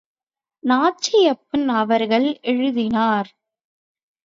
நாச்சியப்பன் அவர்கள் எழுதினார்.